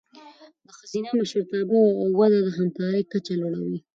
د ښځینه مشرتابه وده د همکارۍ کچه لوړوي.